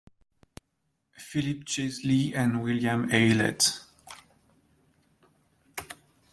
Philip Chesley and William Aylett.